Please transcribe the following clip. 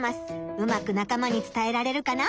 うまくなか間につたえられるかな？